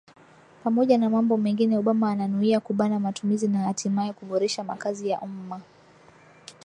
pamoja na mambo mengine obama ananuia kubana matumizi na hatimaye kuboresha makazi ya umma